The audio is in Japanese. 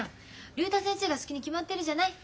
竜太先生が好きに決まってるじゃない。